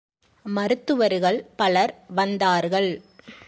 மருத்துவர்கள் பலர் வந்தார்கள்.